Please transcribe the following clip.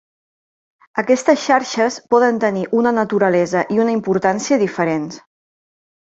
Aquestes xarxes poden tenir una naturalesa i una importància diferents.